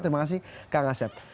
terima kasih kak ngaset